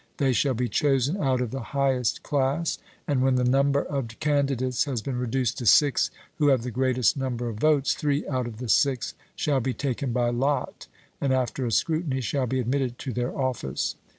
They shall be chosen out of the highest class, and when the number of candidates has been reduced to six who have the greatest number of votes, three out of the six shall be taken by lot, and, after a scrutiny, shall be admitted to their office.